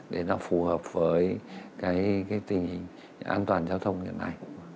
để nó phù hợp với cái tình hình an toàn giao thông hiện nay